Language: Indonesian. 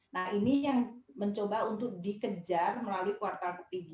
nah ini yang mencoba untuk dikejar melalui kuartal ketiga